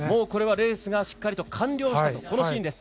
これはレースがしっかりと完了したと。